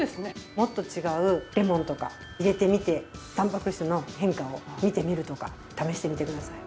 もっと違うレモンとか入れてみてタンパク質の変化を見てみるとか試してみてください。